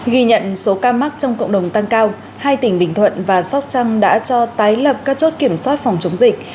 ghi nhận số ca mắc trong cộng đồng tăng cao hai tỉnh bình thuận và sóc trăng đã cho tái lập các chốt kiểm soát phòng chống dịch